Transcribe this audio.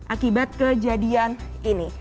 akibat kejadian ini